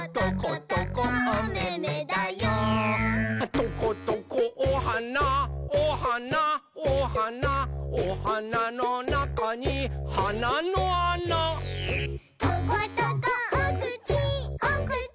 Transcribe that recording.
「トコトコおはなおはなおはなおはなのなかにはなのあな」「トコトコおくちおくち